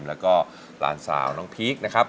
แล้วก็หลานสาวน้องพีคนะครับ